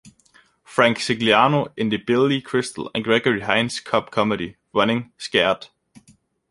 Frank Sigliano in the Billy Crystal and Gregory Hines cop comedy "Running Scared".